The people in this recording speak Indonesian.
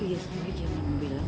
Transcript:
iya sendiri jangan bilang